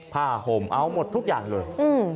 ผ้าห่มเอาหมดทุกอย่างเลย